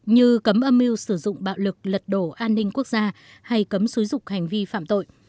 như cấm âm mưu sử dụng bạo lực lật đổ an ninh quốc gia hay cấm xúi dục hành vi phạm tội